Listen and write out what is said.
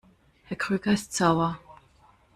Herr Krüger ist sauer.